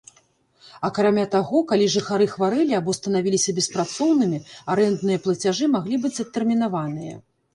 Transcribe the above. Акрамя таго, калі жыхары хварэлі або станавіліся беспрацоўнымі, арэндныя плацяжы маглі быць адтэрмінаваныя.